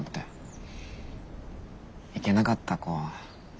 行けなかった子は。